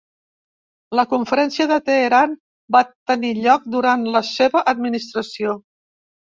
La Conferència de Teheran va tenir lloc durant la seva administració.